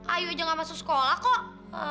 ayo aja gak masuk sekolah kok